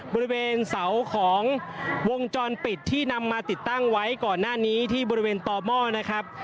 บริเวณเสาของวงจรปิดที่นำมาติดตั้งไว้ก่อนหน้านี้ที่บริเวณต่อหม้อนะครับ